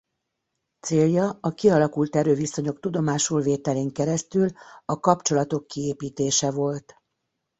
Célja a kialakult erőviszonyok tudomásul vételén keresztül a kapcsolatok kiépítése volt.